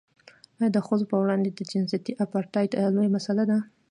دا د ښځو پر وړاندې د جنسیتي اپارټایډ لویه مسله ده.